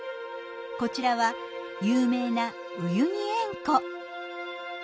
こちらは有名なウユニ塩湖。